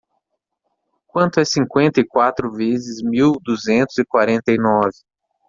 quanto é cinquenta e quatro vezes mil duzentos e quarenta e nove